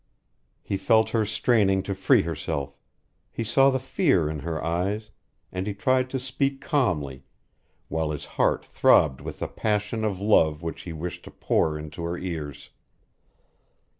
He felt her straining to free herself; he saw the fear in her eyes, and he tried to speak calmly, while his heart throbbed with the passion of love which he wished to pour into her ears.